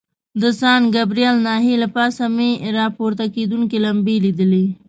د سان ګبریل ناحیې له پاسه مې را پورته کېدونکي لمبې لیدلې.